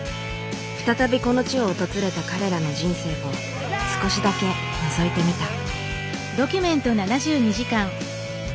再びこの地を訪れた彼らの人生を少しだけのぞいてみた。